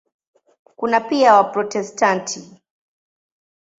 Kuna pia Waprotestanti.